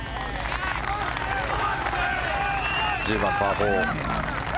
１０番、パー４。